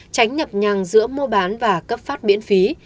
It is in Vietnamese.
tránh nhập nhằng giữa mua bán và cấp phát miễn phí